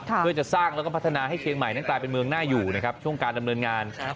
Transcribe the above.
เพื่อจะสร้างแล้วก็พัฒนาให้เชียงใหม่นั้นกลายเป็นเมืองน่าอยู่นะครับช่วงการดำเนินงาน